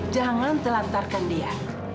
jangan telantarkan dia